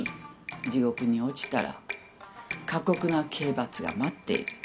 地獄に落ちたら過酷な刑罰が待っている。